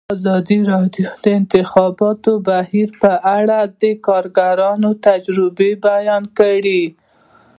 ازادي راډیو د د انتخاباتو بهیر په اړه د کارګرانو تجربې بیان کړي.